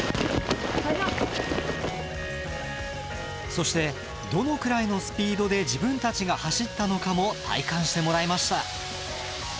そしてどのくらいのスピードで自分たちが走ったのかも体感してもらいました。